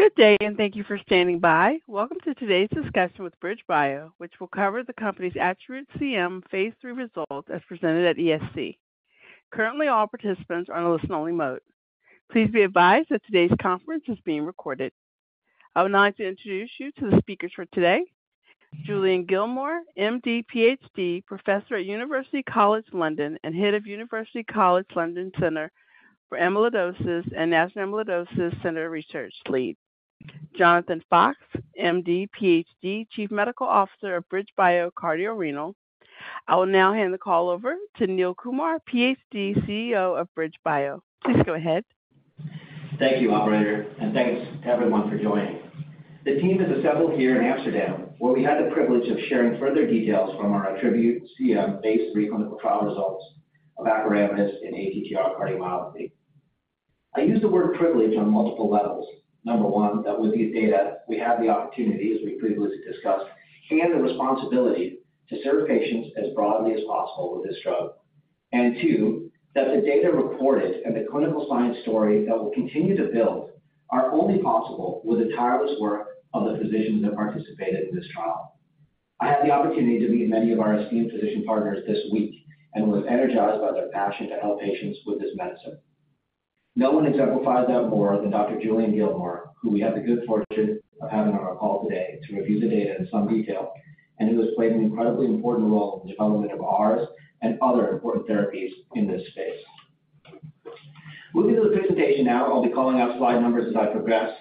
Good day, and thank you for standing by. Welcome to today's discussion with BridgeBio, which will cover the company's ATTRibute-CM phase III results as presented at ESC. Currently, all participants are on a listen-only mode. Please be advised that today's conference is being recorded. I would now like to introduce you to the speakers for today. Julian Gillmore, MD, PhD, Professor at University College London, and Head of University College London Center for Amyloidosis, and National Amyloidosis Center Research Lead. Jonathan Fox, MD, PhD, Chief Medical Officer of BridgeBio Cardiorenal. I will now hand the call over to Neil Kumar, PhD, CEO of BridgeBio. Please go ahead. Thank you, Operator, and thanks to everyone for joining. The team is assembled here in Amsterdam, where we had the privilege of sharing further details from our ATTRibute-CM phase III clinical trial results of acoramidis in ATTR cardiomyopathy. I use the word privilege on multiple levels. Number one, that with these data, we have the opportunity, as we previously discussed, and the responsibility to serve patients as broadly as possible with this drug. Two, that the data reported and the clinical science story that will continue to build are only possible with the tireless work of the physicians that participated in this trial. I had the opportunity to meet many of our esteemed physician partners this week and was energized by their passion to help patients with this medicine. No one exemplifies that more than Dr. Julian Gillmore, who we have the good fortune of having on our call today to review the data in some detail, and who has played an incredibly important role in the development of ours and other important therapies in this space. Moving to the presentation now, I'll be calling out slide numbers as I progress,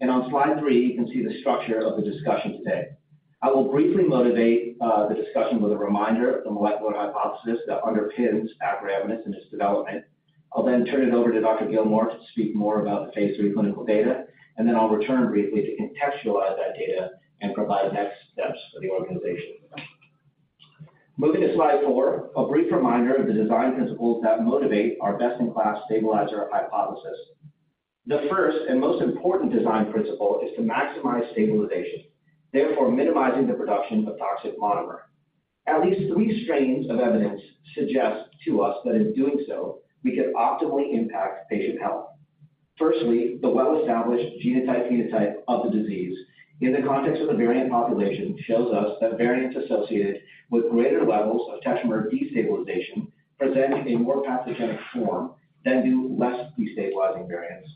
and on slide three, you can see the structure of the discussion today. I will briefly motivate the discussion with a reminder of the molecular hypothesis that underpins acoramidis and its development. I'll then turn it over to Dr. Gillmore to speak more about the phase III clinical data, and then I'll return briefly to contextualize that data and provide next steps for the organization. Moving to slide four, a brief reminder of the design principles that motivate our best-in-class stabilizer hypothesis. The first and most important design principle is to maximize stabilization, therefore minimizing the production of toxic monomer. At least three strains of evidence suggest to us that in doing so, we can optimally impact patient health. Firstly, the well-established genotype phenotype of the disease in the context of the variant population, shows us that variants associated with greater levels of tetramer destabilization present a more pathogenic form than do less destabilizing variants.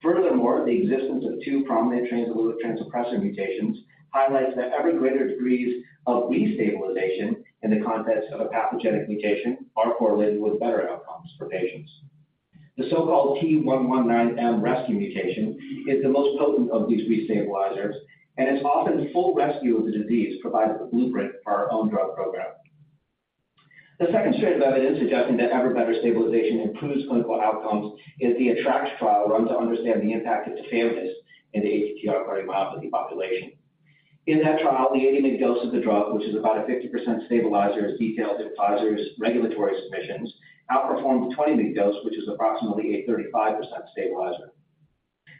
Furthermore, the existence of two prominent transthyretin suppressor mutations highlights that ever greater degrees of destabilization in the context of a pathogenic mutation are correlated with better outcomes for patients. The so-called T119M rescue mutation is the most potent of these restabilizers, and its often full rescue of the disease provided the blueprint for our own drug program. The second strand of evidence suggesting that ever better stabilization improves clinical outcomes is the ATTR-ACT trial, run to understand the impact of tafamidis in the ATTR-CM population. In that trial, the 80 mg dose of the drug, which is about a 50% stabilizer, as detailed in Pfizer's regulatory submissions, outperformed the 20 mg dose, which is approximately a 35% stabilizer.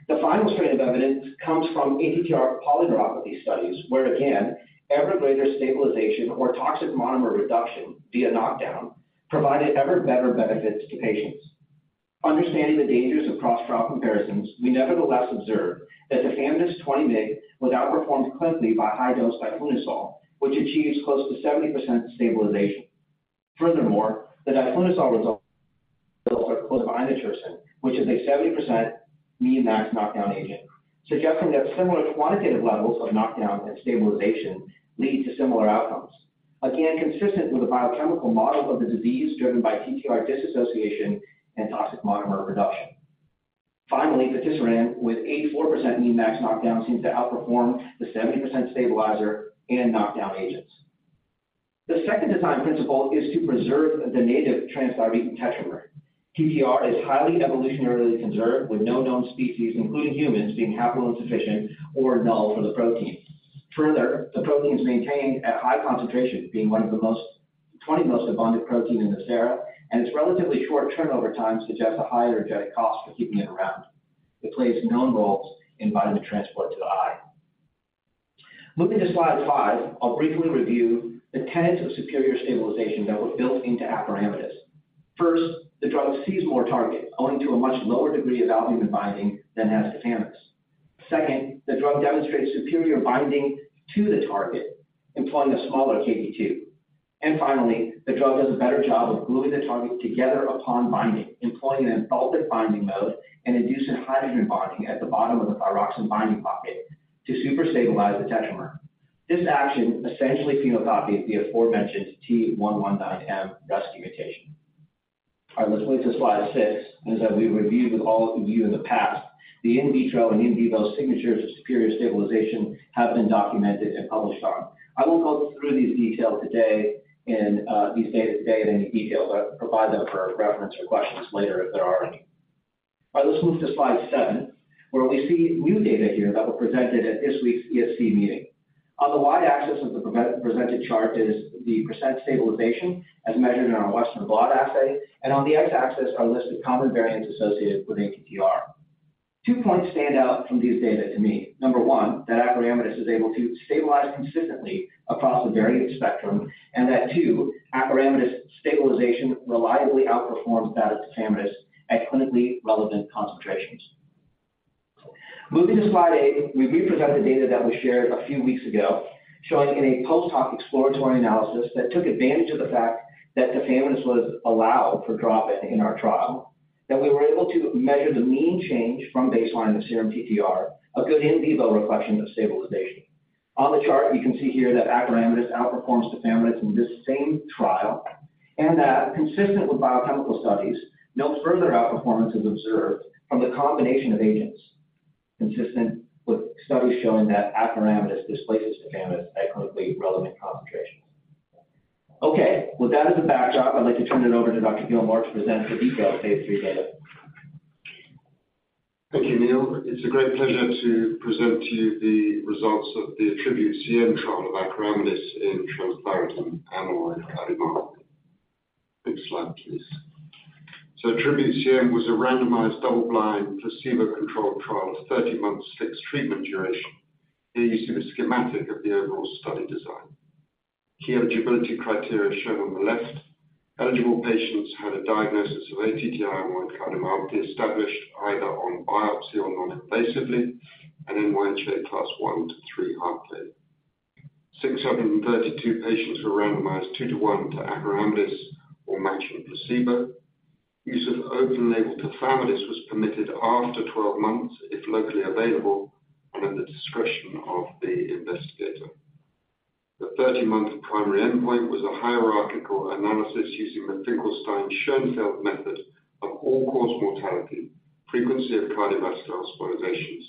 The final strand of evidence comes from ATTR polyneuropathy studies, where again, ever greater stabilization or toxic monomer reduction via knockdown provided ever better benefits to patients. Understanding the dangers of cross-trial comparisons, we nevertheless observed that tafamidis 20 mg was outperformed clinically by high-dose diflunisal, which achieves close to 70% stabilization. Furthermore, the diflunisal results are close behind the patisiran, which is a 70% mean max knockdown agent, suggesting that similar quantitative levels of knockdown and stabilization lead to similar outcomes. Again, consistent with the biochemical model of the disease, driven by TTR dissociation and toxic monomer reduction. Finally, patisiran, with a 4% mean max knockdown, seems to outperform the 70% stabilizer and knockdown agents. The second design principle is to preserve the native transthyretin tetramer. TTR is highly evolutionarily conserved, with no known species, including humans, being haploinsufficient or null for the protein. Further, the protein is maintained at high concentration, being one of the most... 20 most abundant protein in the sera, and its relatively short turnover time suggests a high energetic cost for keeping it around. It plays known roles in vitamin transport to the eye. Moving to slide five, I'll briefly review the tenets of superior stabilization that were built into acoramidis. First, the drug sees more target, owing to a much lower degree of albumin binding than has tafamidis. Second, the drug demonstrates superior binding to the target, employing a smaller KD2. And finally, the drug does a better job of gluing the targets together upon binding, employing an exalted binding mode and inducing hydrogen bonding at the bottom of the thyroxine binding pocket to super stabilize the tetramer. This action essentially phenocopies the aforementioned T119M rescue mutation. All right, let's move to slide six, as we've reviewed with all of you in the past, the in vitro and in vivo signatures of superior stabilization have been documented and published on. I won't go through these details today in these data today in any detail, but I'll provide them for reference or questions later if there are any. All right, let's move to slide seven, where we see new data here that were presented at this week's ESC meeting. On the y-axis of the presented chart is the percent stabilization as measured in our Western blot assay, and on the x-axis are listed common variants associated with ATTR. Two points stand out from these data to me. Number one, that acoramidis is able to stabilize consistently across the variant spectrum, and that two, acoramidis stabilization reliably outperforms that of tafamidis at clinically relevant concentrations. Moving to Slide eight, we re-present the data that was shared a few weeks ago, showing in a post-hoc exploratory analysis that took advantage of the fact that tafamidis was allowed for drop-in in our trial, that we were able to measure the mean change from baseline of serum TTR, a good in vivo reflection of stabilization. On the chart, we can see here that acoramidis outperforms tafamidis in this same trial, and that consistent with biochemical studies, no further outperformance is observed from the combination of agents, consistent with studies showing that acoramidis displaces tafamidis at clinically relevant concentrations. Okay, with that as a backdrop, I'd like to turn it over to Dr. Julian Gillmore to present the detailed phase III data. Thank you, Neil. It's a great pleasure to present to you the results of the ATTRibute-CM trial of acoramidis in transthyretin amyloid cardiomyopathy. Next slide, please. So ATTRibute-CM was a randomized, double-blind, placebo-controlled trial of 30 months fixed treatment duration. Here you see the schematic of the overall study design. Key eligibility criteria shown on the left. Eligible patients had a diagnosis of ATTR amyloid cardiomyopathy established either on biopsy or non-invasively and NYHA Class 1 to 3 heart failure. 632 patients were randomized 2:1 to acoramidis or matching placebo. Use of open-label tafamidis was permitted after 12 months, if locally available, and at the discretion of the investigator. The 30-month primary endpoint was a hierarchical analysis using the Finkelstein-Schoenfeld method of all-cause mortality, frequency of cardiovascular hospitalizations,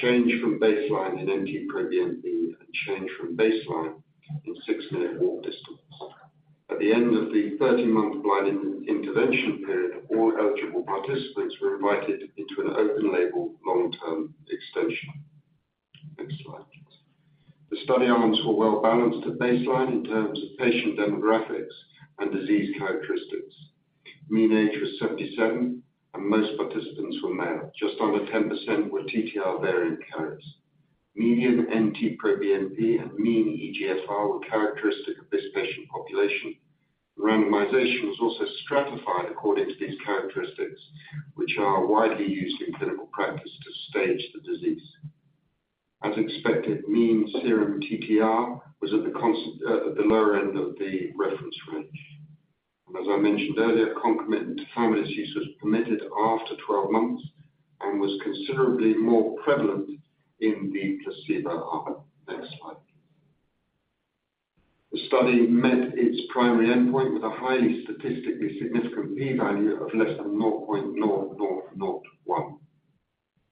change from baseline in NT-proBNP, and change from baseline in 6-minute walk distance. At the end of the 30-month blind in-intervention period, all eligible participants were invited into an open-label long-term extension. Next slide. The study arms were well-balanced at baseline in terms of patient demographics and disease characteristics. Mean age was 77, and most participants were male. Just under 10% were TTR variant carriers. Median NT-proBNP and mean eGFR were characteristic of this patient population. Randomization was also stratified according to these characteristics, which are widely used in clinical practice to stage the disease. As expected, mean serum TTR was at the lower end of the reference range. And as I mentioned earlier, concomitant tafamidis use was permitted after 12 months and was considerably more prevalent in the placebo arm. Next slide. The study met its primary endpoint with a highly statistically significant P value of less than 0.0001.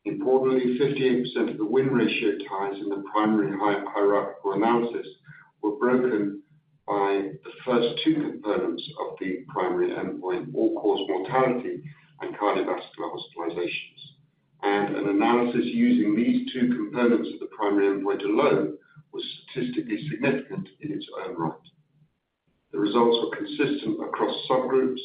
Importantly, 58% of the win ratio ties in the primary hierarchical analysis were broken by the first two components of the primary endpoint: all-cause mortality and cardiovascular hospitalizations. An analysis using these two components of the primary endpoint alone was statistically significant in its own right. The results were consistent across subgroups,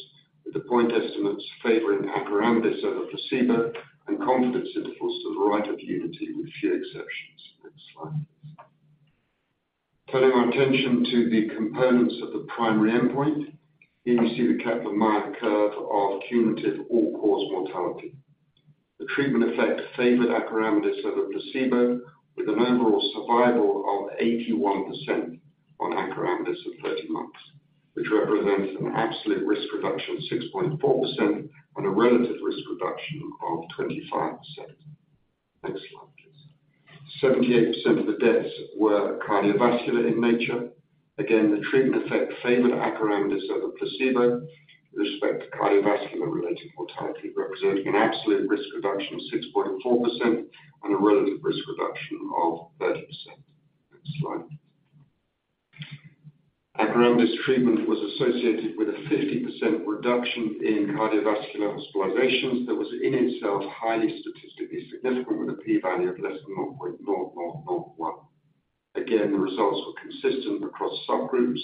with the point estimates favoring acoramidis over placebo and confidence intervals to the right of unity, with few exceptions. Next slide. Turning our attention to the components of the primary endpoint, here you see the Kaplan-Meier curve of cumulative all-cause mortality. The treatment effect favored acoramidis over placebo, with an overall survival of 81% on acoramidis at 30 months, which represents an absolute risk reduction of 6.4% and a relative risk reduction of 25%. Next slide, please. 78% of the deaths were cardiovascular in nature. Again, the treatment effect favored acoramidis over placebo with respect to cardiovascular-related mortality, representing an absolute risk reduction of 6.4% and a relative risk reduction of 30%. Next slide. Acoramidis treatment was associated with a 50% reduction in cardiovascular hospitalizations. That was, in itself, highly statistically significant, with a P value of less than 0.0001. Again, the results were consistent across subgroups,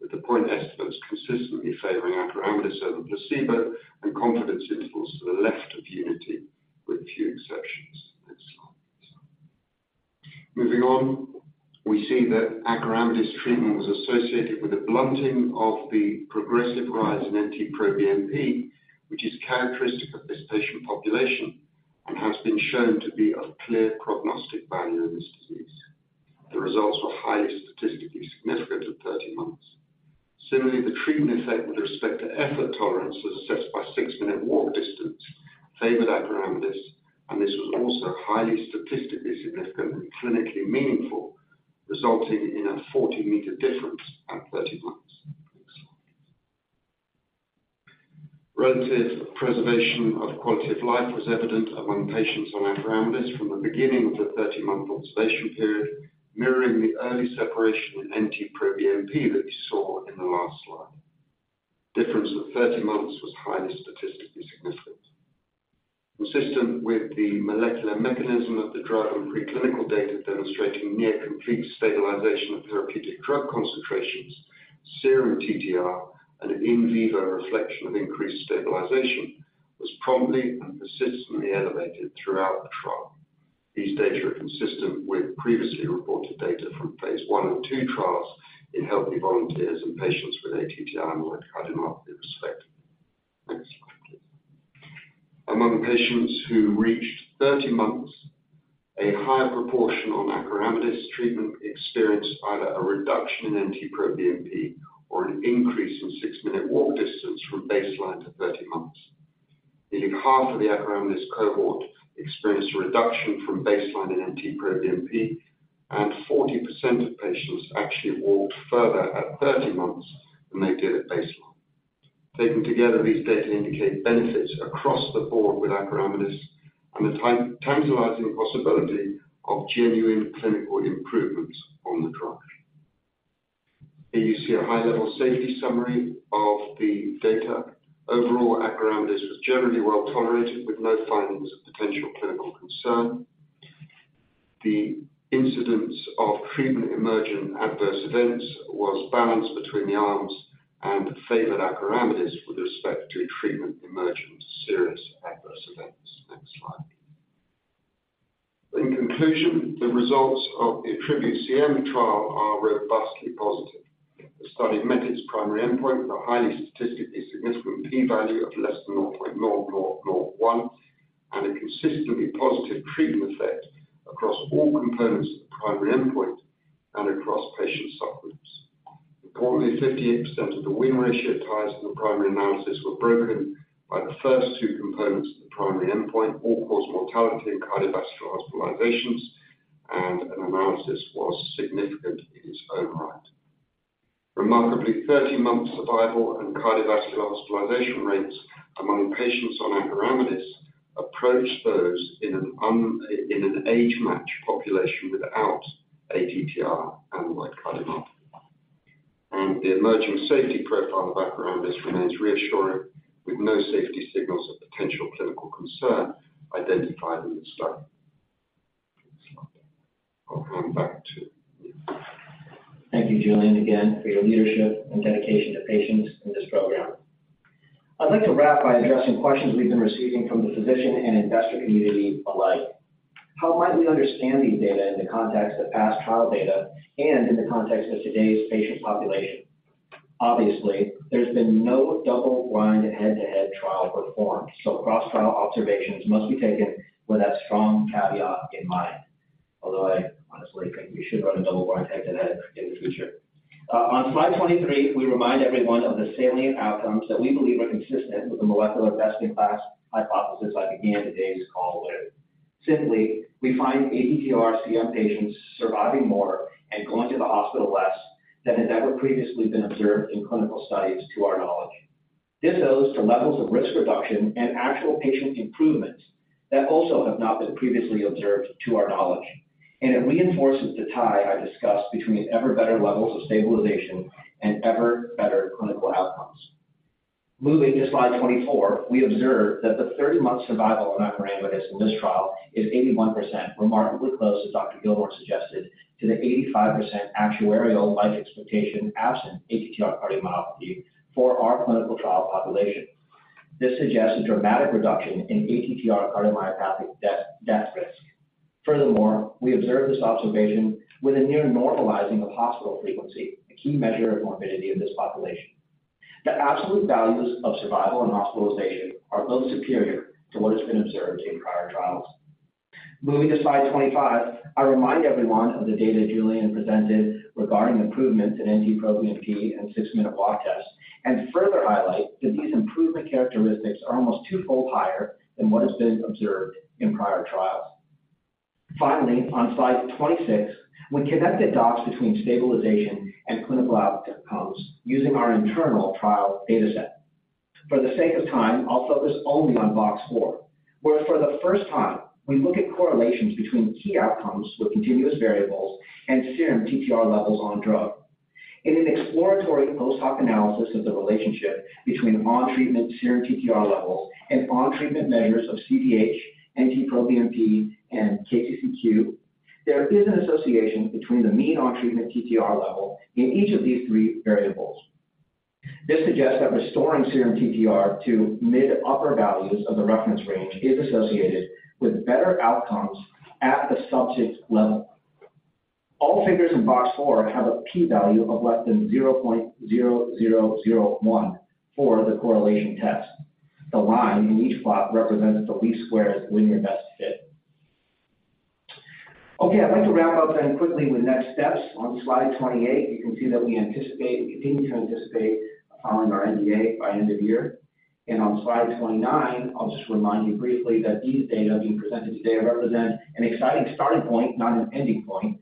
with the point estimates consistently favoring acoramidis over placebo and confidence intervals to the left of unity, with few exceptions. Next slide. Moving on, we see that acoramidis treatment was associated with a blunting of the progressive rise in NT-proBNP, which is characteristic of this patient population and has been shown to be of clear prognostic value in this disease. The results were highly statistically significant at 30 months. Similarly, the treatment effect with respect to effort tolerance, as assessed by six-minute walk distance, favored acoramidis, and this was also highly statistically significant and clinically meaningful, resulting in a 40 m difference at 30 months. Next slide. Relative preservation of quality of life was evident among patients on acoramidis from the beginning of the 30-month observation period, mirroring the early separation in NT-proBNP that you saw in the last slide. Difference at 30 months was highly statistically significant. Consistent with the molecular mechanism of the drug and preclinical data demonstrating near complete stabilization of therapeutic drug concentrations, serum TTR and an in vivo reflection of increased stabilization, was promptly and persistently elevated throughout the trial. These data are consistent with previously reported data from phase I and II trials in healthy volunteers and patients with ATTR amyloid cardiomyopathy respect. Next slide, please. Among patients who reached 30 months, a higher proportion on acoramidis treatment experienced either a reduction in NT-proBNP or an increase in six-minute walk distance from baseline to 30 months. Nearly half of the acoramidis cohort experienced a reduction from baseline in NT-proBNP, and 40% of patients actually walked further at 30 months than they did at baseline. Taken together, these data indicate benefits across the board with acoramidis and the tantalizing possibility of genuine clinical improvements on the drug. Here you see a high-level safety summary of the data. Overall, acoramidis was generally well tolerated, with no findings of potential clinical concern. The incidence of treatment-emergent adverse events was balanced between the arms and favored acoramidis with respect to treatment-emergent serious adverse events. Next slide. In conclusion, the results of the ATTRibute-CM trial are robustly positive. The study met its primary endpoint with a highly statistically significant P value of less than 0.0001, and a consistently positive treatment effect across all components of the primary endpoint and across patient subgroups. Importantly, 58% of the win ratio ties in the primary analysis were broken by the first two components of the primary endpoint, all-cause mortality and cardiovascular hospitalizations, and an analysis was significant in its own right. Remarkably, 30-month survival and cardiovascular hospitalization rates among patients on acoramidis approached those in an age-matched population without ATTR-like cardiomyopathy. The emerging safety profile of acoramidis remains reassuring, with no safety signals of potential clinical concern identified in the study. Next slide. I'll hand back to you. Thank you, Julian, again, for your leadership and dedication to patients in this program. I'd like to wrap by addressing questions we've been receiving from the physician and investor community alike. How might we understand these data in the context of past trial data and in the context of today's patient population? Obviously, there's been no double-blind, head-to-head trial performed, so cross-trial observations must be taken with that strong caveat in mind. Although I honestly think we should run a double-blind head-to-head in the future. On slide 23, we remind everyone of the salient outcomes that we believe are consistent with the molecular best-in-class hypothesis I began today's call with. Simply, we find ATTR-CM patients surviving more and going to the hospital less than had ever previously been observed in clinical studies, to our knowledge. This owes to levels of risk reduction and actual patient improvement that also have not been previously observed, to our knowledge, and it reinforces the tie I discussed between ever better levels of stabilization and ever better clinical outcomes. Moving to slide 24, we observe that the 30-month survival on acoramidis in this trial is 81%, remarkably close, as Dr. Gillmore suggested, to the 85% actuarial life expectation, absent ATTR cardiomyopathy for our clinical trial population. This suggests a dramatic reduction in ATTR cardiomyopathy death, death risk. Furthermore, we observe this observation with a near normalizing of hospital frequency, a key measure of morbidity in this population. The absolute values of survival and hospitalization are both superior to what has been observed in prior trials. Moving to slide 25, I remind everyone of the data Julian presented regarding improvements in NT-proBNP and six-minute walk tests, and further highlight that these improvement characteristics are almost twofold higher than what has been observed in prior trials. Finally, on slide 26, we connect the dots between stabilization and clinical outcomes using our internal trial data set. For the sake of time, I'll focus only on box four, where for the first time, we look at correlations between key outcomes with continuous variables and serum TTR levels on drug. In an exploratory post hoc analysis of the relationship between on-treatment serum TTR levels and on-treatment measures of CVH, NT-proBNP, and KCCQ, there is an association between the mean on-treatment TTR level in each of these three variables. This suggests that restoring serum TTR to mid upper values of the reference range is associated with better outcomes at the subject level. All figures in box 4 have a P value of less than 0.0001 for the correlation test. The line in each plot represents the least squares linear best fit. Okay, I'd like to wrap up then quickly with next steps. On slide 28, you can see that we anticipate, we continue to anticipate filing our NDA by end of year. On slide 29, I'll just remind you briefly that these data being presented today represent an exciting starting point, not an ending point,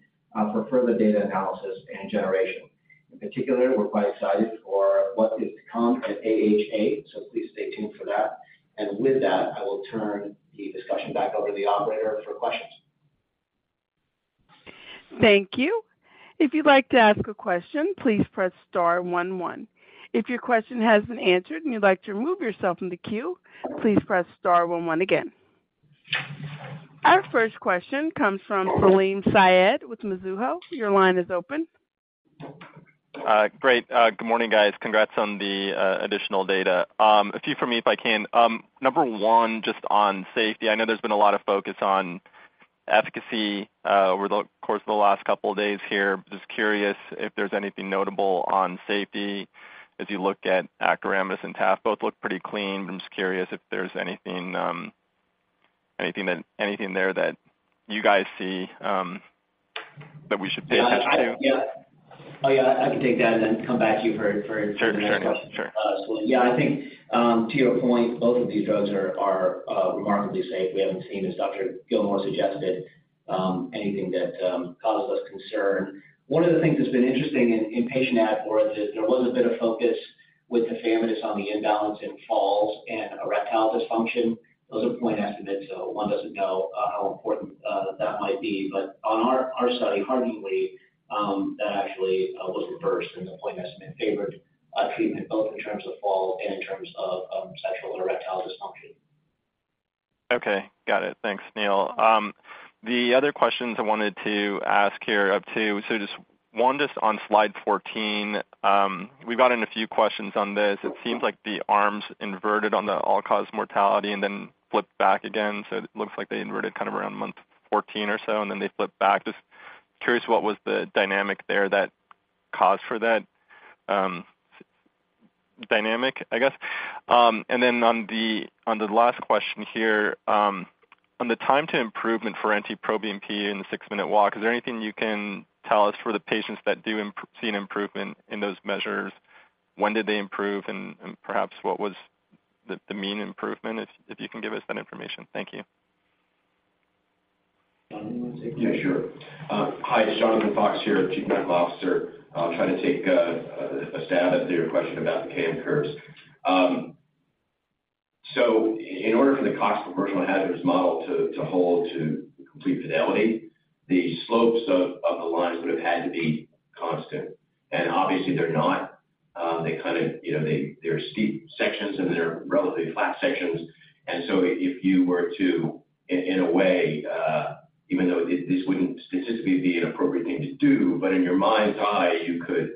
for further data analysis and generation. In particular, we're quite excited for what is to come at AHA, so please stay tuned for that. With that, I will turn the discussion back over to the operator for questions. Thank you. If you'd like to ask a question, please press star one, one. If your question has been answered and you'd like to remove yourself from the queue, please press star one, one again. Our first question comes from Salim Syed with Mizuho. Your line is open. Great. Good morning, guys. Congrats on the additional data. A few from me, if I can. Number one, just on safety. I know there's been a lot of focus on efficacy over the course of the last couple of days here. Just curious if there's anything notable on safety as you look at acoramidis and tafamidis. Both look pretty clean. I'm just curious if there's anything there that you guys see that we should pay attention to? Yeah. Oh, yeah, I can take that and then come back to you for. Sure, sure. Yeah, I think, to your point, both of these drugs are remarkably safe. We haven't seen, as Dr. Gillmore suggested, anything that causes us concern. One of the things that's been interesting in the patient data for it is there was a bit of focus with tafamidis on the imbalance in falls and erectile dysfunction. Those are point estimates, so one doesn't know how important that might be. But on our study, hearteningly, that actually was reversed, and the point estimate favored treatment, both in terms of falls and in terms of sexual or erectile dysfunction. Okay. Got it. Thanks, Neil. The other questions I wanted to ask here, up to... So just one, just on slide 14, we've gotten a few questions on this. It seems like the arms inverted on the all-cause mortality and then flipped back again. So it looks like they inverted kind of around month 14 or so, and then they flipped back. Just curious, what was the dynamic there that caused for that, dynamic, I guess? And then on the, on the last question here, on the time to improvement for NT-proBNP in the six-minute walk, is there anything you can tell us for the patients that do see an improvement in those measures? When did they improve? And, and perhaps what was the, the mean improvement, if, if you can give us that information. Thank you. John, do you want to take this? Yeah, sure. Hi, it's Jonathan Fox here, Chief Medical Officer. I'll try to take a stab at your question about the KM curves. So in order for the Cox proportional hazards model to hold to complete fidelity, the slopes of the lines would have had to be constant. And obviously, they're not. They kind of, you know, there are steep sections, and there are relatively flat sections. And so if you were to, in a way, even though this wouldn't statistically be an appropriate thing to do, but in your mind's eye, you could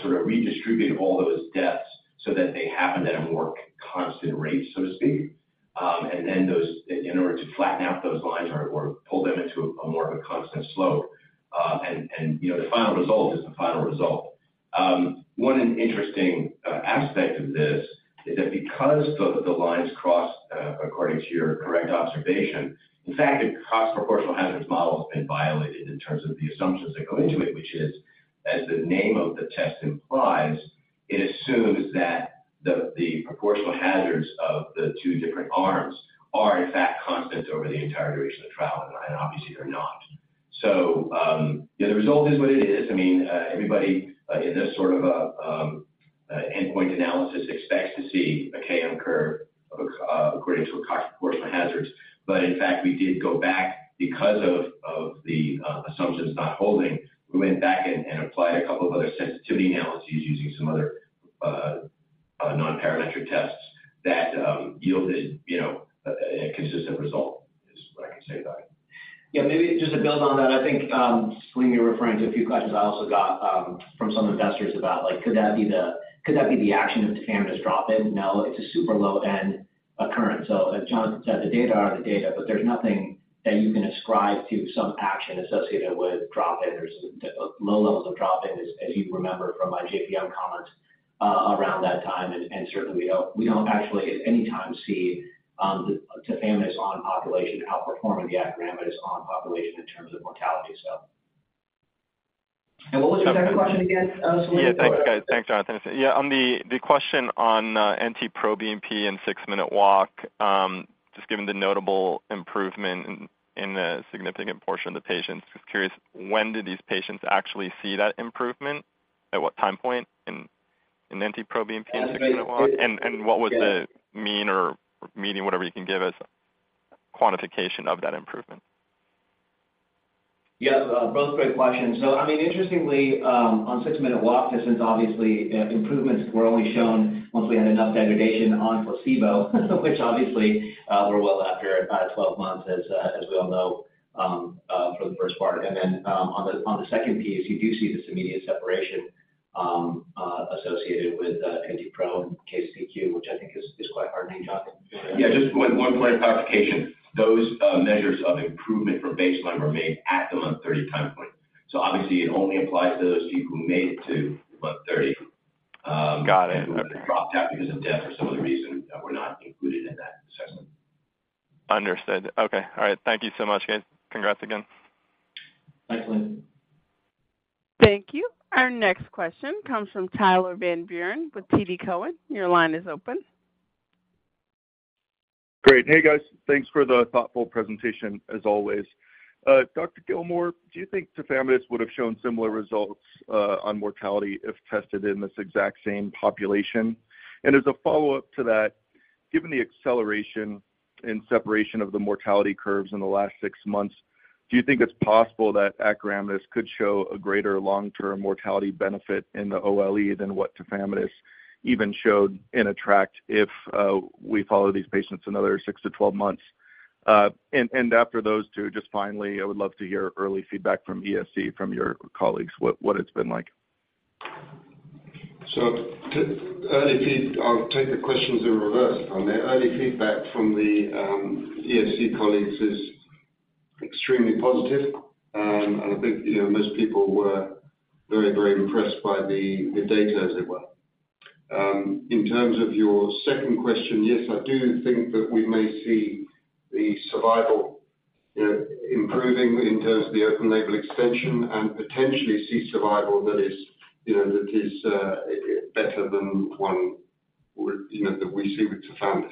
sort of redistribute all those deaths so that they happen at a more constant rate, so to speak. And then those, in order to flatten out those lines or pull them into more of a constant slope. And, you know, the final result is the final result. One interesting aspect of this is that because the lines cross, according to your correct observation, in fact, the Cox proportional hazards model has been violated in terms of the assumptions that go into it, which is, as the name of the test implies, it assumes that the proportional hazards of the two different arms are, in fact, constant over the entire duration of the trial, and obviously, they're not. So, yeah, the result is what it is. I mean, everybody in this sort of endpoint analysis expects to see a KM curve according to a Cox proportional hazards. But in fact, we did go back because of the assumptions not holding, we went back and applied a couple of other sensitivity analyses using some other nonparametric tests that yielded, you know, a consistent result, is what I can say about it. Yeah, maybe just to build on that, I think, when you're referring to a few questions I also got from some investors about, like, could that be the action of tafamidis dropping? No, it's a super low-end occurrence. So as John said, the data are the data, but there's nothing that you can ascribe to some action associated with drop-in. There's low levels of drop-in, as you remember from my JPM comments around that time. And certainly, we don't actually at any time see the tafamidis on population outperforming the acoramidis on population in terms of mortality, so. And what was your second question again, Selena? Yeah. Thanks, guys. Thanks, Jonathan. Yeah, on the question on NT-proBNP and six-minute walk, just given the notable improvement in a significant portion of the patients, just curious, when did these patients actually see that improvement? At what time point in NT-proBNP and six-minute walk? And what was the mean or median, whatever you can give us, quantification of that improvement? Yeah, both great questions. So I mean, interestingly, on six-minute walk distance, obviously, improvements were only shown once we had enough degradation on placebo, which obviously, were well after about 12 months, as we all know, for the first part. And then, on the second piece, you do see this immediate separation, associated with NT-proBNP, which I think is quite heartening, Jonathan. Yeah, just one point of clarification. Those measures of improvement from baseline were made at the month 30 time point. So obviously, it only applies to those people who made it to month 30. Got it. Whoever dropped out because of death or some other reason were not included in that assessment. Understood. Okay. All right. Thank you so much, guys. Congrats again. Thanks, Salim. Thank you. Our next question comes from Tyler Van Buren with TD Cowen. Your line is open. Great. Hey, guys. Thanks for the thoughtful presentation, as always. Dr. Gillmore, do you think tafamidis would have shown similar results on mortality if tested in this exact same population? And as a follow-up to that, given the acceleration and separation of the mortality curves in the last six months, do you think it's possible that acoramidis could show a greater long-term mortality benefit in the OLE than what tafamidis even showed in ATTR-ACT if we follow these patients another six to 12 months? And after those two, just finally, I would love to hear early feedback from ESC, from your colleagues, what it's been like. So, to early feedback, I'll take the questions in reverse order. Early feedback from the ESC colleagues is extremely positive. And I think, you know, most people were very, very impressed by the data, as it were. In terms of your second question, yes, I do think that we may see the survival, you know, improving in terms of the open-label extension and potentially see survival that is, you know, that is better than one would, you know, that we see with tafamidis.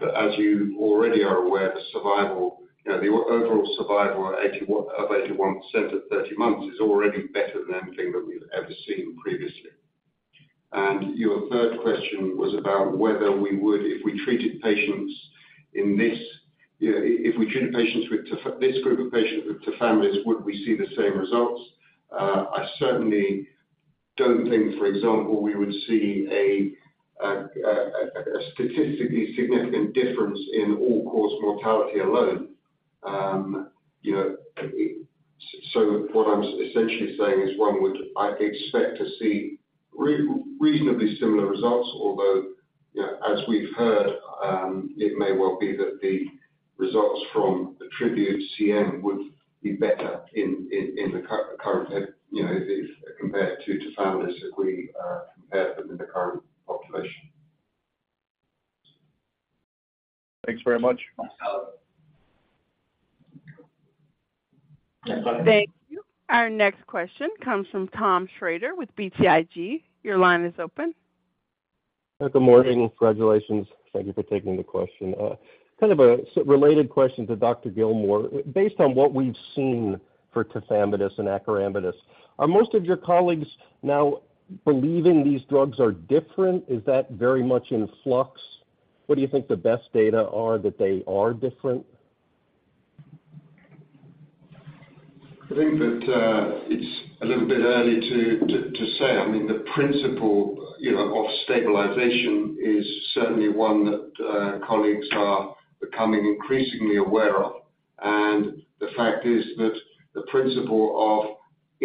But as you already are aware, the survival, you know, the overall survival of 81% at 30 months is already better than anything that we've ever seen previously. And your third question was about whether we would, if we treated patients in this, you know, if we treat patients with tafamidis, this group of patients with tafamidis, would we see the same results? I certainly don't think, for example, we would see a statistically significant difference in all-cause mortality alone. You know, so what I'm essentially saying is, one would, I expect to see reasonably similar results, although, you know, as we've heard, it may well be that the results from ATTRibute-CM would be better in the current, you know, if compared to tafamidis, if we compare them in the current population. Thanks very much. Thank you. Our next question comes from Tom Schrader with BTIG. Your line is open. Good morning. Congratulations. Thank you for taking the question. Kind of a related question to Dr. Gillmore. Based on what we've seen for tafamidis and acoramidis, are most of your colleagues now believing these drugs are different? Is that very much in flux? What do you think the best data are that they are different? I think that it's a little bit early to say. I mean, the principle, you know, of stabilization is certainly one that colleagues are becoming increasingly aware of. And the fact is that the principle of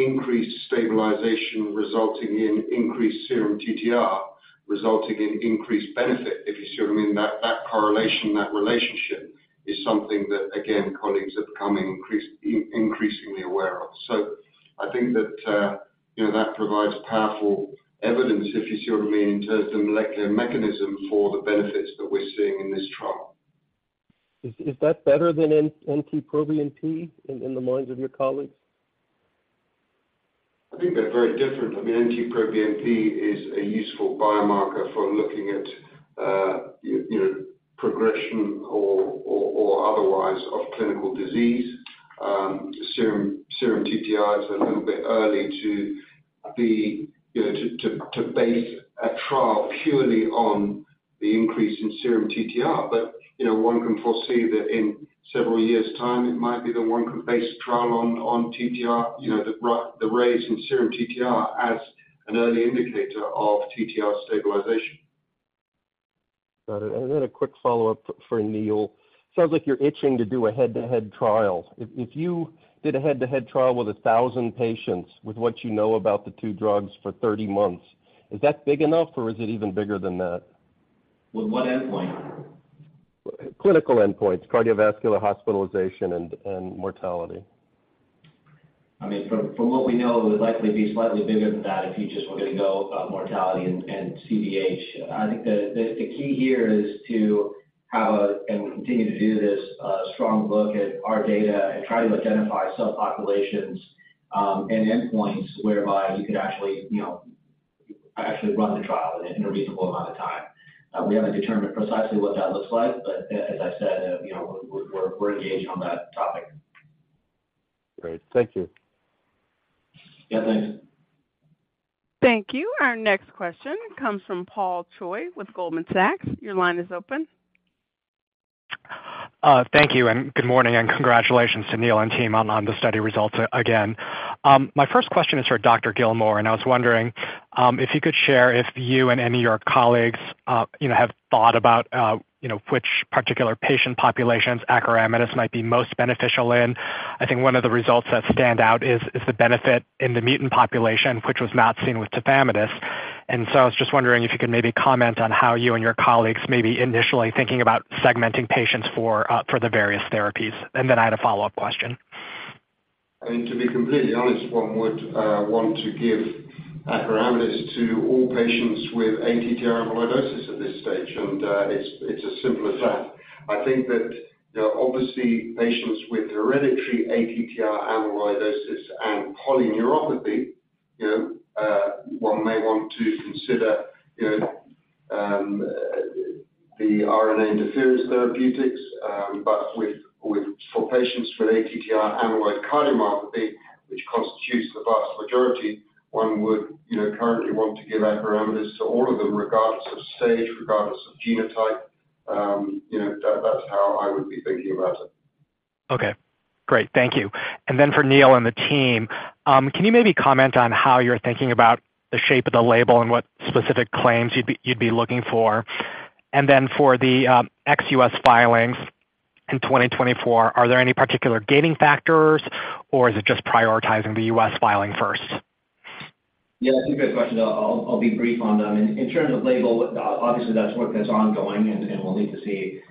increased stabilization resulting in increased serum TTR, resulting in increased benefit, if you see what I mean, that correlation, that relationship, is something that, again, colleagues are becoming increasingly aware of. So I think that, you know, that provides powerful evidence, if you see what I mean, in terms of molecular mechanism for the benefits that we're seeing in this trial. Is that better than an NT-proBNP in the minds of your colleagues? I think they're very different. I mean, NT-proBNP is a useful biomarker for looking at, you know, progression or otherwise of clinical disease. Serum TTR is a little bit early to be, you know, to base a trial purely on the increase in serum TTR. But, you know, one can foresee that in several years' time, it might be that one can base a trial on TTR, you know, the raise in serum TTR as an early indicator of TTR stabilization. Got it. And then a quick follow-up for Neil. Sounds like you're itching to do a head-to-head trial. If you did a head-to-head trial with 1,000 patients, with what you know about the two drugs for 30 months, is that big enough or is it even bigger than that? With what endpoint? Clinical endpoints, cardiovascular hospitalization and mortality. I mean, from what we know, it would likely be slightly bigger than that if you just were going to go mortality and CVH. I think the key here is to have, and we continue to do this, strong look at our data and try to identify subpopulations and endpoints whereby you could actually, you know, actually run the trial in a reasonable amount of time. We haven't determined precisely what that looks like, but as I said, you know, we're engaged on that topic. Great. Thank you. Yeah, thanks. Thank you. Our next question comes from Paul Choi with Goldman Sachs. Your line is open. Thank you, and good morning, and congratulations to Neil and team on the study results again. My first question is for Dr. Gillmore, and I was wondering if you could share if you and any of your colleagues, you know, have thought about, you know, which particular patient populations acoramidis might be most beneficial in. I think one of the results that stand out is the benefit in the mutant population, which was not seen with tafamidis. And so I was just wondering if you could maybe comment on how you and your colleagues may be initially thinking about segmenting patients for the various therapies. And then I had a follow-up question. I mean, to be completely honest, one would want to give acoramidis to all patients with ATTR amyloidosis at this stage, and it's as simple as that. I think that, you know, obviously, patients with hereditary ATTR amyloidosis and polyneuropathy, you know, one may want to consider, you know, the RNA interference therapeutics. But for patients with ATTR amyloid cardiomyopathy, which constitutes the vast majority, one would, you know, currently want to give acoramidis to all of them, regardless of stage, regardless of genotype. You know, that's how I would be thinking about it. Okay, great. Thank you. And then for Neil and the team, can you maybe comment on how you're thinking about the shape of the label and what specific claims you'd be, you'd be looking for? And then for the ex-US filings in 2024. Are there any particular gating factors, or is it just prioritizing the US filing first? Yeah, two great questions. I'll be brief on them. In terms of label, obviously, that's work that's ongoing, and we'll need to see,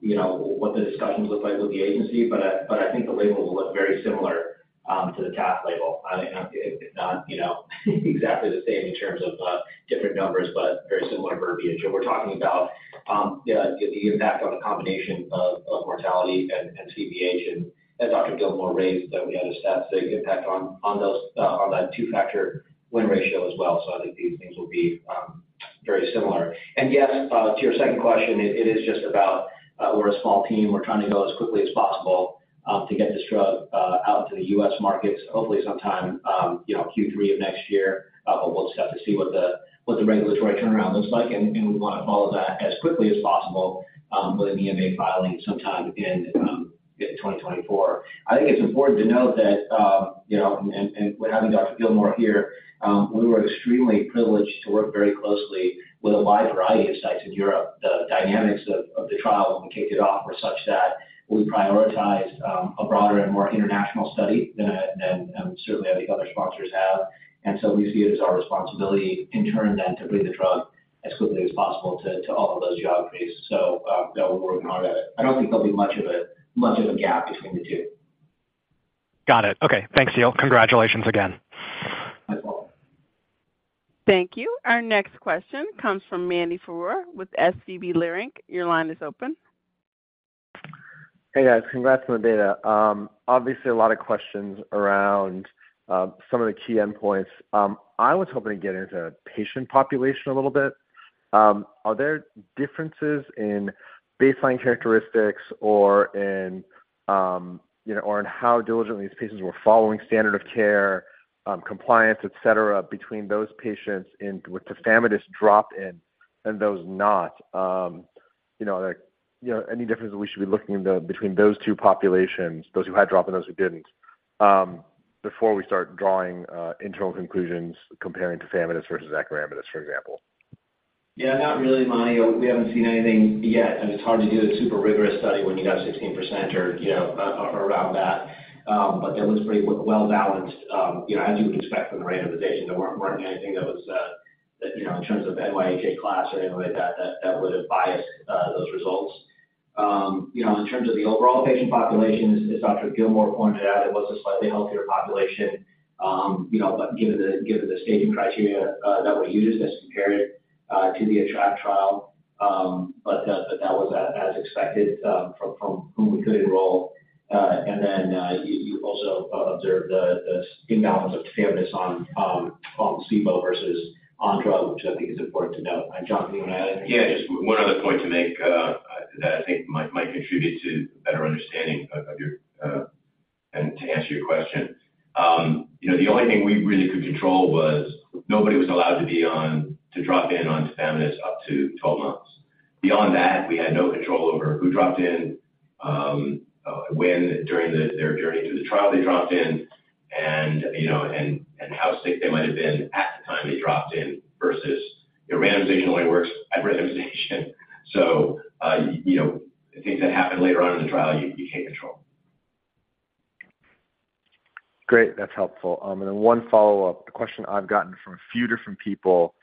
you know, what the discussions look like with the agency. But I think the label will look very similar to the TAF label. I think, if not, you know, exactly the same in terms of different numbers, but very similar verbiage. And we're talking about, yeah, the impact on the combination of mortality and CVH. And as Dr. Gillmore raised, that we had a stat sig impact on those, on that two-factor win ratio as well. So I think these things will be very similar. And yes, to your second question, it is just about, we're a small team. We're trying to go as quickly as possible to get this drug out into the U.S. markets, hopefully sometime, you know, Q3 of next year. But we'll just have to see what the regulatory turnaround looks like, and we wanna follow that as quickly as possible with an EMA filing sometime in 2024. I think it's important to note that, you know, and with having Dr. Gillmore here, we were extremely privileged to work very closely with a wide variety of sites in Europe. The dynamics of the trial when we kicked it off were such that we prioritized a broader and more international study than certainly, I think other sponsors have. And so we see it as our responsibility in turn then to bring the drug as quickly as possible to all of those geographies. So, yeah, we're working hard at it. I don't think there'll be much of a gap between the two. Got it. Okay. Thanks, Neil. Congratulations again. Thanks, Paul. Thank you. Our next question comes from Mani Foroohar with SVB Leerink. Your line is open. Hey, guys. Congrats on the data. Obviously, a lot of questions around, some of the key endpoints. I was hoping to get into patient population a little bit. Are there differences in baseline characteristics or in, you know, or in how diligently these patients were following standard of care, compliance, et cetera, between those patients in, with tafamidis dropped in and those not? You know, like, you know, any difference that we should be looking into between those two populations, those who had dropped and those who didn't, before we start drawing, internal conclusions comparing tafamidis versus acoramidis, for example? Yeah, not really, Mani. We haven't seen anything yet, and it's hard to do a super rigorous study when you have 16% or, you know, around that. But it looks pretty well-balanced, you know, as you would expect from the randomization. There weren't anything that was, that, you know, in terms of NYHA class or anything like that, that would have biased those results. You know, in terms of the overall patient population, as Dr. Gillmore pointed out, it was a slightly healthier population. You know, but given the staging criteria that we used as compared to the ATTR-ACT trial, but that was as expected from whom we could enroll. Then, you also observed the imbalance of tafamidis on placebo versus on drug, which I think is important to note. John, do you wanna add anything? Yeah, just one other point to make that I think might contribute to a better understanding of your. And to answer your question. You know, the only thing we really could control was nobody was allowed to be on, to drop in on tafamidis up to 12 months. Beyond that, we had no control over who dropped in, when, during their journey through the trial they dropped in, and, you know, and how sick they might have been at the time they dropped in versus. You know, randomization only works at randomization. So, you know, things that happened later on in the trial, you can't control. Great. That's helpful. And then one follow-up. The question I've gotten from a few different people,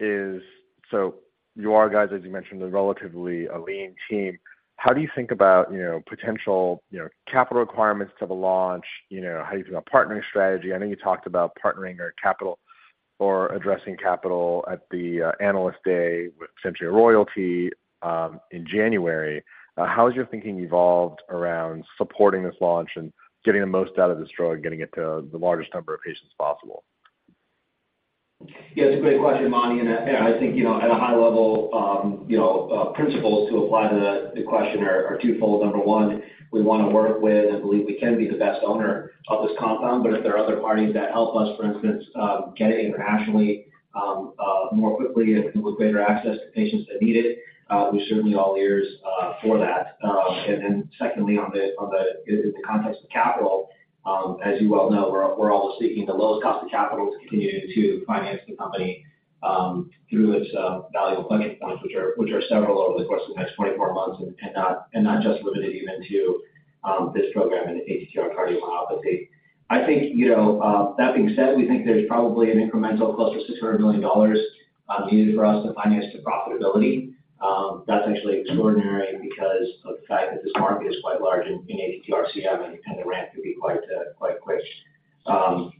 is: So you are guys, as you mentioned, a relatively lean team. How do you think about, you know, potential, you know, capital requirements to the launch? You know, how do you think about partnering strategy? I know you talked about partnering or capital or addressing capital at the, Analyst Day with Century Royalty, in January. How has your thinking evolved around supporting this launch and getting the most out of this drug, getting it to the largest number of patients possible? Yeah, it's a great question, Mani. And I think, you know, at a high level, principles to apply to the question are twofold. Number one, we wanna work with and believe we can be the best owner of this compound, but if there are other parties that help us, for instance, get it internationally, more quickly and with greater access to patients that need it, we're certainly all ears for that. And then secondly, on the, in the context of capital, as you well know, we're always seeking the lowest cost of capital to continue to finance the company, through its valuable funding points, which are several over the course of the next 24 months, and not just limited even to this program in ATTR cardiomyopathy. I think, you know, that being said, we think there's probably an incremental close to $600 million needed for us to finance to profitability. That's actually extraordinary because of the fact that this market is quite large in, in ATTR-CM, and the ramp can be quite, quite quick. So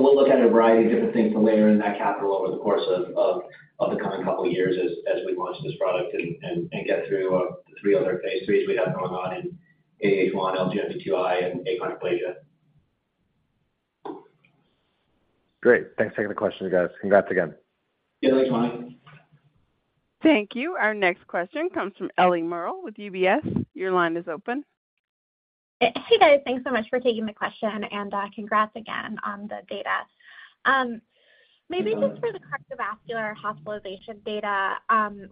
we'll look at a variety of different things to layer in that capital over the course of, of, of the coming couple of years as, as we launch this product and, and, and get through the three other phase IIIs we have going on in ADH1, LGMD2I, and achondroplasia. Great. Thanks for taking the question, guys. Congrats again. Yeah, thanks, Mani. Thank you. Our next question comes from Ellie Merle with UBS. Your line is open. Hey, guys. Thanks so much for taking the question, and, congrats again on the data. Maybe just for the cardiovascular hospitalization data,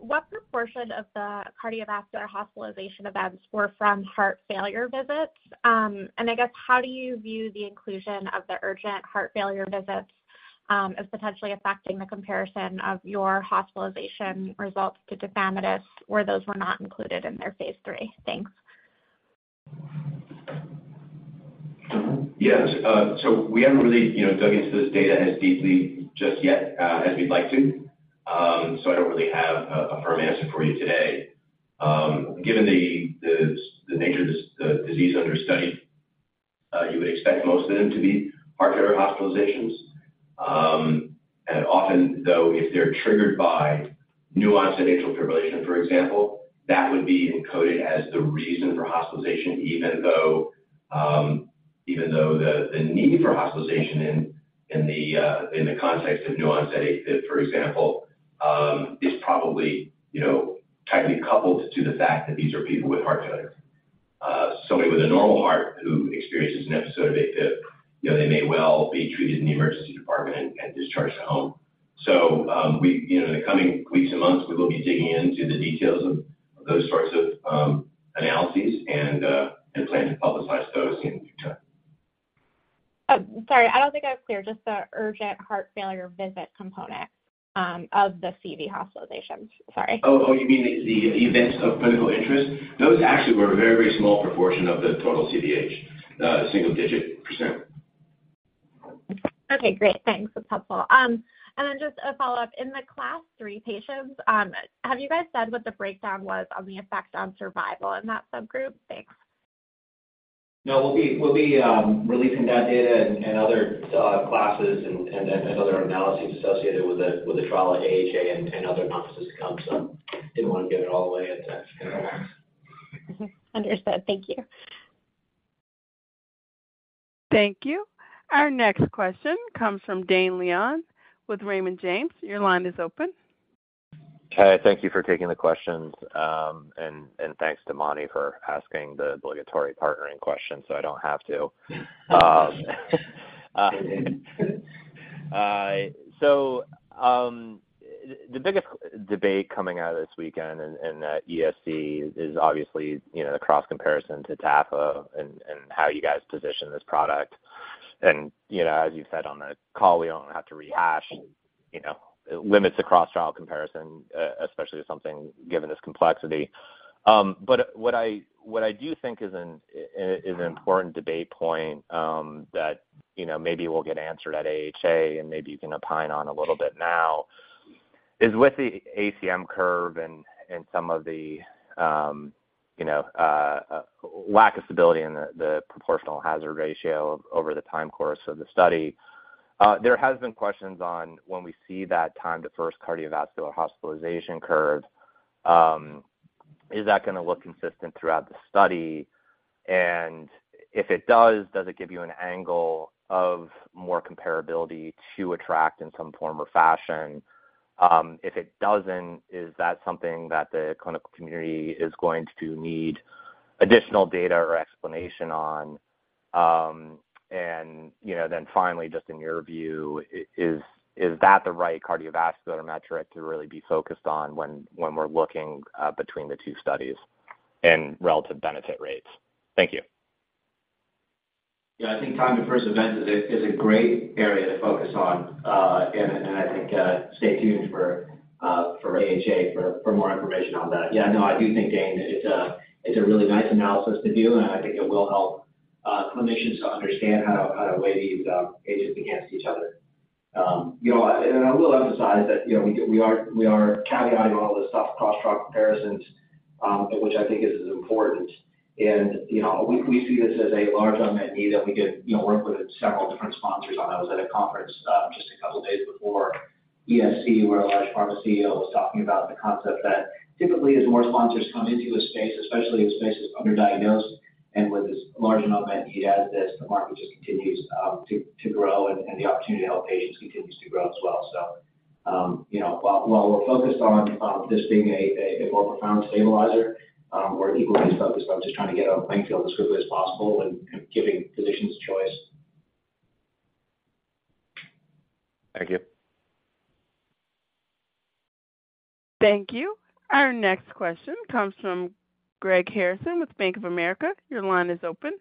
what proportion of the cardiovascular hospitalization events were from heart failure visits? And I guess, how do you view the inclusion of the urgent heart failure visits? Of potentially affecting the comparison of your hospitalization results to tafamidis, where those were not included in their phase 3? Thanks. Yes. So we haven't really, you know, dug into this data as deeply just yet, as we'd like to. So I don't really have a firm answer for you today. Given the nature of this disease under study, you would expect most of them to be heart failure hospitalizations. And often, though, if they're triggered by new-onset atrial fibrillation, for example, that would be encoded as the reason for hospitalization, even though the need for hospitalization in the context of new-onset AFib, for example, is probably, you know, tightly coupled to the fact that these are people with heart failure. Somebody with a normal heart who experiences an episode of AFib, you know, they may well be treated in the emergency department and discharged to home. So, we, you know, in the coming weeks and months, we will be digging into the details of those sorts of analyses and plan to publicize those in due time. Sorry, I don't think I was clear, just the urgent heart failure visit component, of the CV hospitalizations. Sorry. Oh, you mean the events of clinical interest? Those actually were a very, very small proportion of the total CVH, single-digit percent. Okay, great. Thanks. That's helpful. And then just a follow-up: In the Class III patients, have you guys said what the breakdown was on the effect on survival in that subgroup? Thanks. No, we'll be releasing that data and other classes and then other analyses associated with the trial at AHA and other conferences to come, so didn't want to give it all away at once. Understood. Thank you. Thank you. Our next question comes from Dane Leone with Raymond James. Your line is open. Hi, thank you for taking the questions, and thanks to Monty for asking the obligatory partnering question, so I don't have to. So, the biggest debate coming out of this weekend and that ESC is obviously, you know, the cross comparison to Tafa and how you guys position this product. And, you know, as you said on the call, we don't have to rehash, you know, it limits the cross-trial comparison, especially to something given this complexity. But what I do think is an important debate point, that, you know, maybe will get answered at AHA and maybe you can opine on a little bit now, is with the ACM curve and some of the, you know, lack of stability in the proportional hazard ratio over the time course of the study, there has been questions on when we see that time to first cardiovascular hospitalization curve, is that gonna look consistent throughout the study? And if it does, does it give you an angle of more comparability to ATTR-ACT in some form or fashion? If it doesn't, is that something that the clinical community is going to need additional data or explanation on? You know, then finally, just in your view, is that the right cardiovascular metric to really be focused on when we're looking between the two studies and relative benefit rates? Thank you. Yeah, I think time to first event is a great area to focus on. And I think stay tuned for AHA for more information on that. Yeah, no, I do think, Dane, it's a really nice analysis to do, and I think it will help clinicians to understand how to weigh these agents against each other. You know, and I will emphasize that, you know, we are caveatting all this stuff, cross-trial comparisons, which I think is important. And you know, we see this as a large unmet need that we get you know work with several different sponsors on. I was at a conference, just a couple days before ESC, where a large pharma CEO was talking about the concept that typically, as more sponsors come into a space, especially a space that's underdiagnosed and with as large an unmet need as this, the market just continues to grow and the opportunity to help patients continues to grow as well. So, you know, while we're focused on this being a more profound stabilizer, we're equally as focused on just trying to get a playing field as quickly as possible and giving physicians choice. Thank you. Thank you. Our next question comes from Greg Harrison with Bank of America. Your line is open.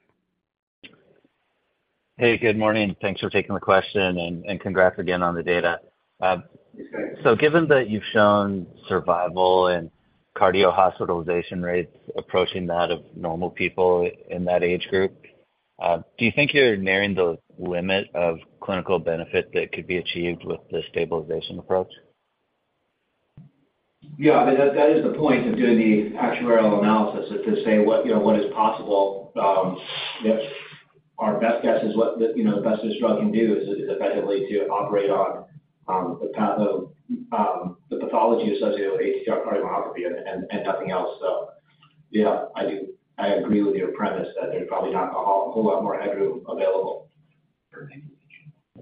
Hey, good morning. Thanks for taking the question, and congrats again on the data. Thanks. So given that you've shown survival and cardio hospitalization rates approaching that of normal people in that age group, do you think you're nearing the limit of clinical benefit that could be achieved with the stabilization approach? Yeah, that is the point of doing the actuarial analysis, is to say what, you know, what is possible. If our best guess is what the, you know, the best this drug can do is effectively to operate on the pathology associated with ATTR cardiomyopathy and nothing else. So, yeah, I do... I agree with your premise that there's probably not a whole lot more headroom available.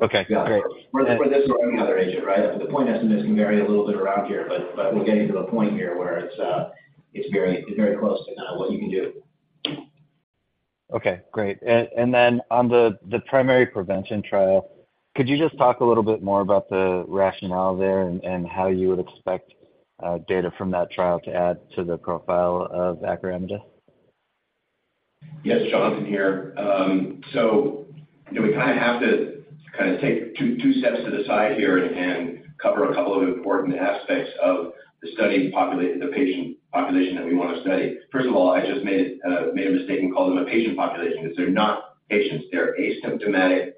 Okay, great. For this or any other agent, right? The point estimate can vary a little bit around here, but we're getting to the point here where it's very, very close to kind of what you can do. Okay, great. Then, on the primary prevention trial, could you just talk a little bit more about the rationale there and how you would expect data from that trial to add to the profile of acoramidis? Yes, Jonathan here. So, you know, we kind of have to kind of take two, two steps to the side here and, and cover a couple of important aspects of the study population, the patient population that we want to study. First of all, I just made a mistake and called them a patient population, because they're not patients. They're asymptomatic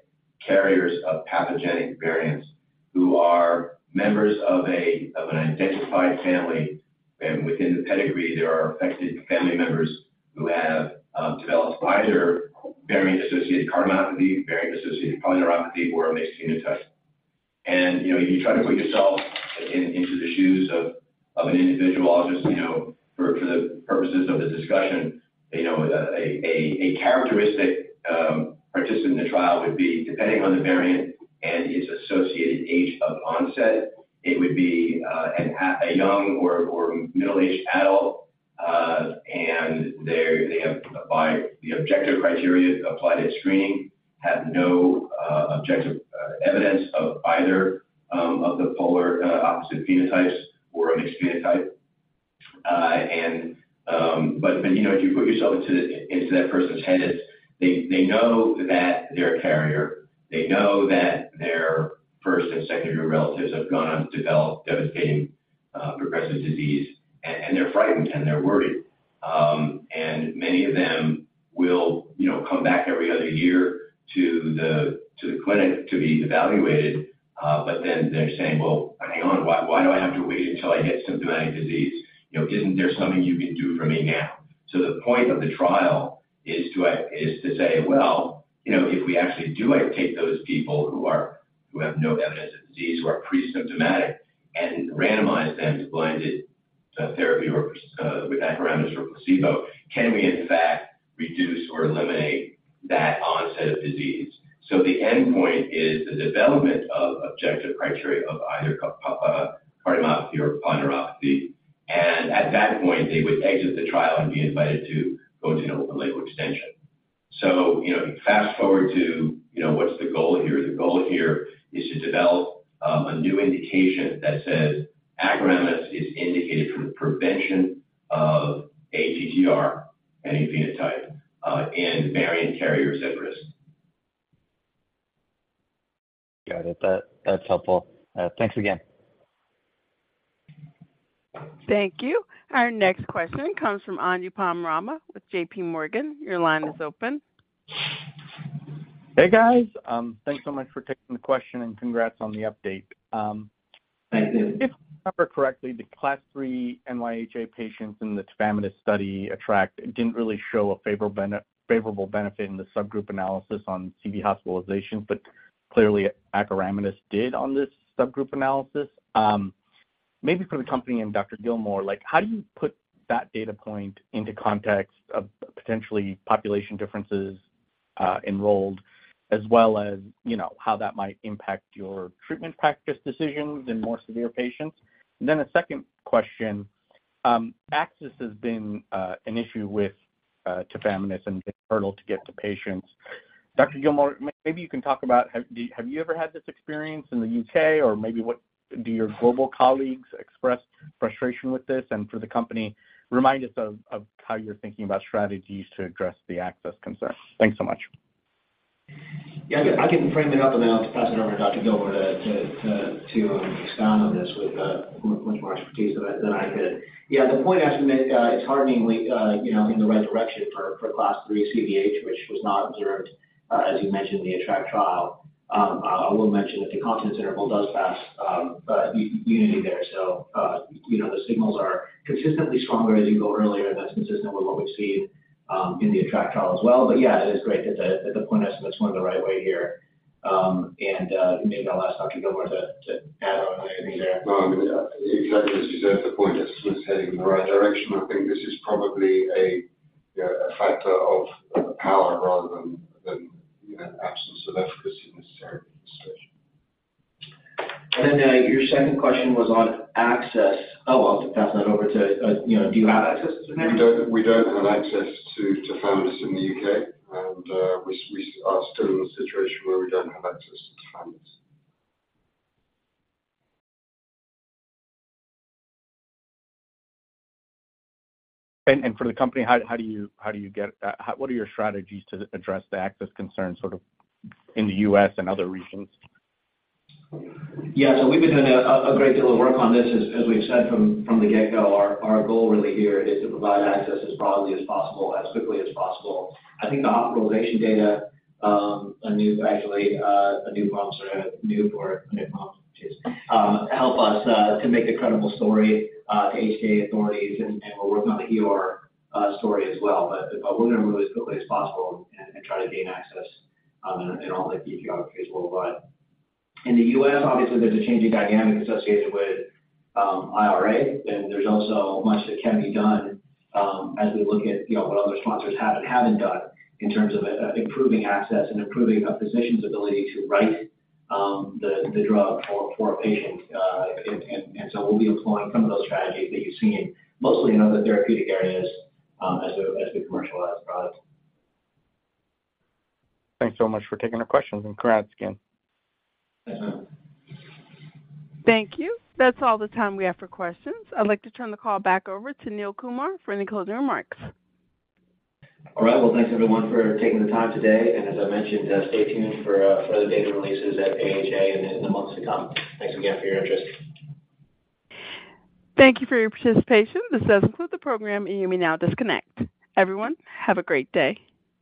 carriers of pathogenic variants who are members of an identified family, and within the pedigree, there are affected family members who have developed either variant-associated cardiomyopathy, variant-associated polyneuropathy, or a mixed phenotype. And, you know, you try to put yourself into the shoes of an individual, just, you know, for the purposes of this discussion. You know, a characteristic participant in the trial would be, depending on the variant and its associated age of onset, it would be a young or middle-aged adult. And they're, they have, by the objective criteria applied at screening, have no objective evidence of either of the polar opposite phenotypes or a mixed phenotype. But you know, if you put yourself into that person's head, it's they know that they're a carrier. They know that their first and second-degree relatives have gone on to develop devastating progressive disease, and they're frightened, and they're worried. And many of them will, you know, come back every other year to the clinic to be evaluated. But then they're saying, "Well, hang on, why, why do I have to wait until I get symptomatic disease? You know, isn't there something you can do for me now?" So the point of the trial is to say, well, you know, if we actually do take those people who are- who have no evidence of disease, who are presymptomatic, and randomize them to blinded therapy or with acoramidis or placebo, can we, in fact, reduce or eliminate that onset of disease? So the endpoint is the development of objective criteria of either cardiomyopathy or polyneuropathy. And at that point, they would exit the trial and be invited to go to an open label extension. So, you know, fast-forward to, you know, what's the goal here? The goal here is to develop a new indication that says acoramidis is indicated for the prevention of ATTR, any phenotype, in variant carrier symptoms. Got it. That, that's helpful. Thanks again. Thank you. Our next question comes from Anupam Rama with JPMorgan. Your line is open. Hey, guys. Thanks so much for taking the question, and congrats on the update. Thank you. If I remember correctly, the Class three NYHA patients in the tafamidis study ATTR-ACT didn't really show a favorable benefit in the subgroup analysis on CV hospitalizations, but clearly acoramidis did on this subgroup analysis. Maybe for the company and Dr. Gillmore, like, how do you put that data point into context of potentially population differences enrolled, as well as, you know, how that might impact your treatment practice decisions in more severe patients? And then a second question. Access has been an issue with tafamidis and a hurdle to get to patients. Dr. Gillmore, maybe you can talk about, have you ever had this experience in the UK, or maybe what do your global colleagues express frustration with this? And for the company, remind us of how you're thinking about strategies to address the access concerns. Thanks so much. Yeah, I can frame it up, and then I'll pass it over to Dr. Gillmore to expound on this with much more expertise than I could. Yeah, the point estimate, it's hearteningly, you know, in the right direction for class three CVH, which was not observed, as you mentioned, in the ATTR-ACT trial. I will mention that the confidence interval does pass unity there. So, you know, the signals are consistently stronger as you go earlier, and that's consistent with what we've seen in the ATTR-ACT trial as well. But yeah, it is great that the point estimate is going the right way here. And maybe I'll ask Dr. Gillmore to add on anything there. Well, exactly as you said, the point that it's heading in the right direction. I think this is probably a factor of power rather than, you know, absence of efficacy necessarily in the situation. And then, your second question was on access. Oh, I'll pass that over to, you know, do you have access to tafamidis? We don't have access to tafamidis in the U.K., and we are still in a situation where we don't have access to tafamidis. For the company, what are your strategies to address the access concerns, sort of, in the U.S. and other regions? Yeah. So we've been doing a great deal of work on this. As we've said from the get-go, our goal really here is to provide access as broadly as possible, as quickly as possible. I think the optimization data, actually, a new sponsor helps us to make a credible story to HTA authorities, and we're working on the HEOR story as well. But we're going to move as quickly as possible and try to gain access in all the geographies worldwide. In the U.S., obviously, there's a changing dynamic associated with IRA, and there's also much that can be done, as we look at, you know, what other sponsors have and haven't done in terms of improving access and improving a physician's ability to write the drug for a patient. And so we'll be employing some of those strategies that you see mostly in other therapeutic areas, as we commercialize products. Thanks so much for taking the questions and congrats again. Thank you. That's all the time we have for questions. I'd like to turn the call back over to Neil Kumar for any closing remarks. All right. Well, thanks everyone for taking the time today, and as I mentioned, stay tuned for further data releases at AHA in the months to come. Thanks again for your interest. Thank you for your participation. This does conclude the program, and you may now disconnect. Everyone, have a great day.